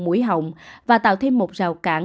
mũi hỏng và tạo thêm một rào cản